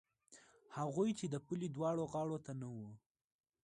هغوی چې د پولې دواړو غاړو ته نه وو.